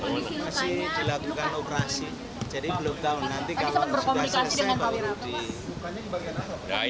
masih dilakukan operasi jadi belum tahu nanti kalau sudah selesai